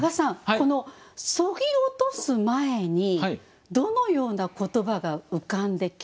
このそぎ落とす前にどのような言葉が浮かんできていましたか？